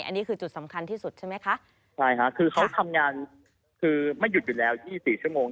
อันนี้คือจุดสำคัญที่สุดใช่ไหมคะใช่ค่ะคือเขาทำงานคือไม่หยุดอยู่แล้วยี่สิบสี่ชั่วโมง